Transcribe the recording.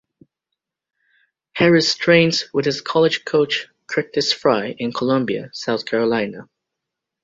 Harris trains with his college coach Curtis Frye in Columbia, South Carolina.